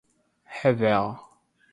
revel